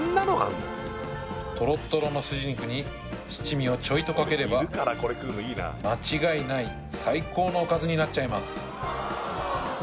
とろっとろのスジ肉に七味をちょいとかければ間違いない最高のおかずになっちゃいます